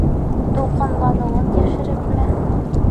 Тулҡынланыуын йәшерепме: